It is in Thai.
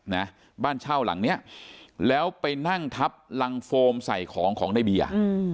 นะบ้านเช่าหลังเนี้ยแล้วไปนั่งทับรังโฟมใส่ของของในเบียร์